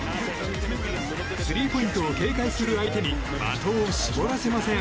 スリーポイントを警戒する相手に的を絞らせません。